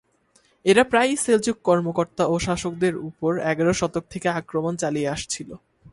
এরা প্রায়ই সেলজুক কর্মকর্তা ও শাসকদের উপর এগার শতক থেকে আক্রমণ চালিয়ে আসছিল।